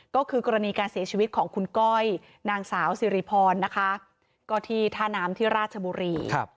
ก็คือกรณีการเสียชีวิตของคุณก้อยนางสาวสิริพรนะคะก็ที่ท่าน้ำที่ราชบุรี